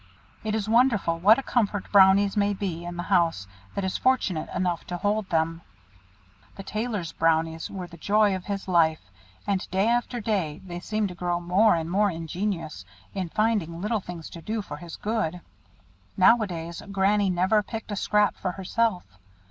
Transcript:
It is wonderful what a comfort Brownies may be in the house that is fortunate enough to hold them! The Tailor's Brownies were the joy of his life; and day after day they seemed to grow more and more ingenious in finding little things to do for his good. Now a days Granny never picked a scrap for herself.